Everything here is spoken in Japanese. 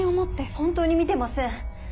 本当に見てません。